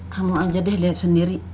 kamu aja deh lihat sendiri